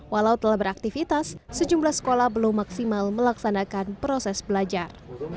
walau telah beraktivitas sejumlah sekolah belum maksimal melaksanakan proses belajar